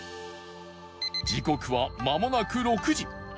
時刻はまもなく６時